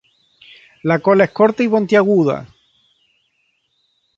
La cola es corta y puntiaguda.